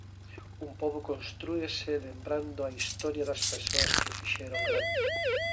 Un pobo constrúese lembrando a historia das persoas que o fixeron grande.